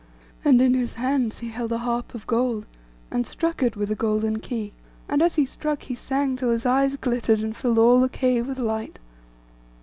And in his hands he held a harp of gold, and struck it with a golden key; and as he struck, he sang till his eyes glittered, and filled all the cave with light.